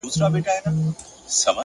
پرمختګ د دوامداره زده کړې محصول دی.